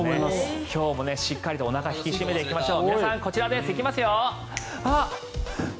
今日もしっかりとおなかを引き締めていきましょう。